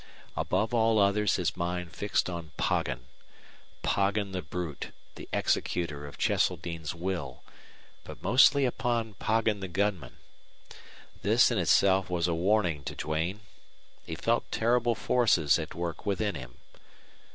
Above all others his mind fixed on Poggin Poggin the brute, the executor of Cheseldine's will, but mostly upon Poggin the gunman. This in itself was a warning to Duane. He felt terrible forces at work within him.